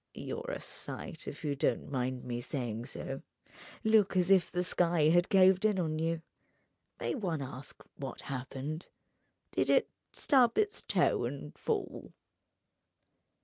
"You're a sight, if you don't mind my saying so—look as if the sky had caved in on you. May one ask what happened? Did it stub its toe and fall?"